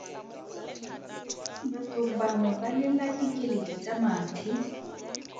Batho bangwe ba lela dikeledi tsa mathe.